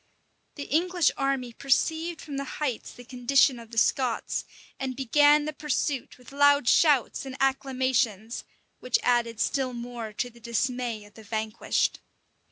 The English army perceived from the heights the condition of the Scots, and began the pursuit with loud shouts and acclamations, which added still more to the dismay of the vanquished.